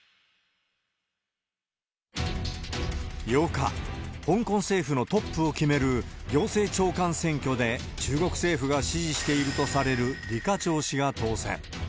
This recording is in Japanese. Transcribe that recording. ８日、香港政府のトップを決める行政長官選挙で、中国政府が支持しているとされる李家超氏が当選。